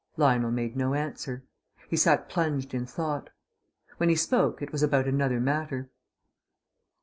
Lionel made no answer. He sat plunged in thought. When he spoke it was about another matter.